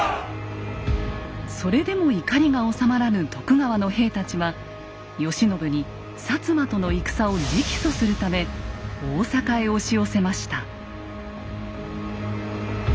それでも怒りがおさまらぬ徳川の兵たちは慶喜に摩との戦を直訴するため大坂へ押し寄せました。